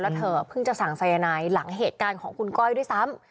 แล้วเธอเพิ่งจะสั่งสายนายหลังเหตุการณ์ของคุณก้อยด้วยซ้ำ